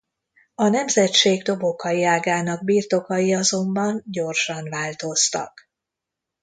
A nemzetség dobokai ágának birtokai azonban gyorsan változtak.